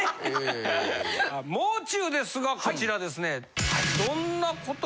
もう中ですがこちらですね。